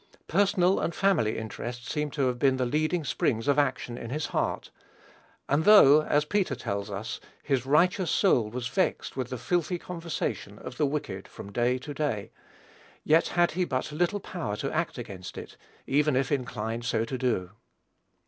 Personal and family interests seem to have been the leading springs of action in his heart; and though, as Peter tells us, "his righteous soul was vexed with the filthy conversation of the wicked, from day to day," yet had he but little power to act against it, even if inclined so to do.